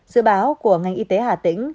dự báo của ngành y tế hà tĩnh